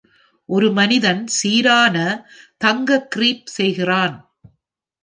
ஒரு மனிதன் சீரான, தங்க க்ரீப் செய்கிறான்.